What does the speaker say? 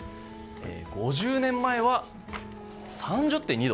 ５０年前は３０．２度。